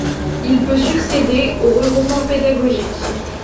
Il peut succéder aux Regroupement pédagogique.